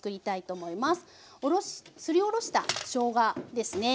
すりおろしたしょうがですね。